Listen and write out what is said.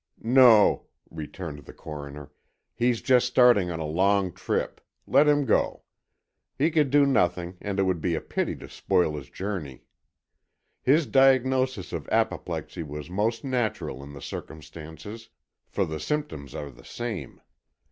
"No," returned the Coroner, "he's just starting on a long trip. Let him go. He could do nothing and it would be a pity to spoil his journey. His diagnosis of apoplexy was most natural in the circumstances, for the symptoms are the same.